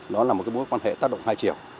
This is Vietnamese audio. nó là một mối quan hệ tác động hai triệu